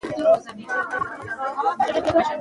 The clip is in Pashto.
د پکتیا او خوست نښتر ډېر ارزښت لري.